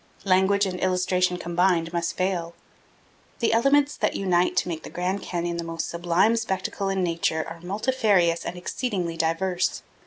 Language and illustration combined must fail. The elements that unite to make the Grand Canyon the most sublime spectacle in nature are multifarious and exceedingly diverse.